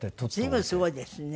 随分すごいですね。